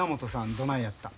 どないやった？